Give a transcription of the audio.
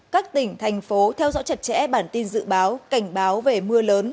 các tỉnh thành phố theo dõi chặt chẽ bản tin dự báo cảnh báo về mưa lớn